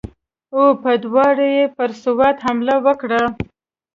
او په دواړو یې پر سوات حمله وکړه.